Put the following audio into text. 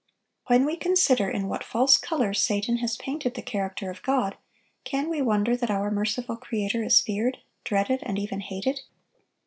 When we consider in what false colors Satan has painted the character of God, can we wonder that our merciful Creator is feared, dreaded, and even hated?